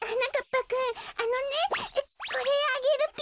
ぱくんあのねこれあげるぴよ。